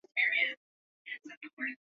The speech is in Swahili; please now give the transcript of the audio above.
Kuingiliana kwa karibu kwa mbwa wa kufugwa